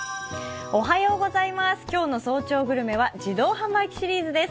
今日の「早朝グルメ」は自動販売機シリーズです。